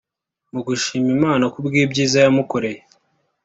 Mu gushima Imana kubw’ibyiza yamukoreye